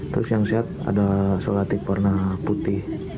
terus yang sehat ada selatik warna putih